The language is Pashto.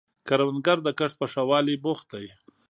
کروندګر د کښت په ښه والي بوخت دی